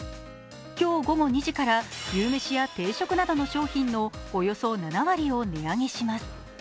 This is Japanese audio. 今日午後２時から牛めしや定食などの商品のおよそ７割を値上げします。